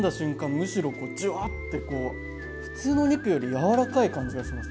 むしろジュワッてこう普通のお肉よりやわらかい感じがします